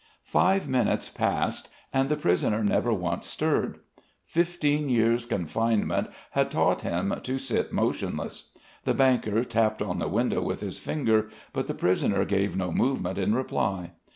Five minutes passed and the prisoner never once stirred. Fifteen years confinement had taught him to sit motionless. The banker tapped on the window with his finger, but the prisoner gave no movement in reply.